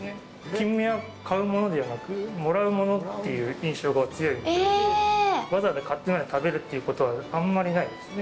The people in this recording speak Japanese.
キンメは買うものではなくもらうものという印象が強いのでわざわざ買ってまで食べるということはあんまりないですね。